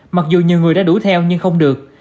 mặc dù nhiều người đã đủ theo nhưng không được